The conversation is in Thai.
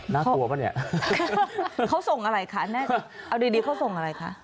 น่ากลัวป่ะเนี่ยเขาส่งอะไรคะแน่เอาดีเขาส่งอะไรคะ